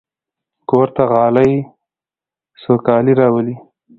کور ته غالۍ سوکالي راولي.